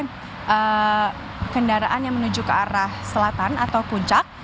dengan kendaraan yang menuju ke arah selatan atau puncak